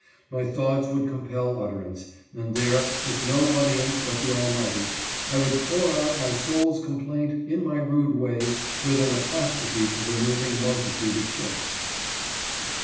My thoughts would compel utterance ; and there, with no audience but the Almighty, I would pour out my soul's complaint in my rude way with an apostrophe to the moving multitude of ships.